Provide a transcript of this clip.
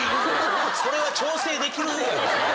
それは調整できるやろ。